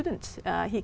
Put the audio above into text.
đáng chú ý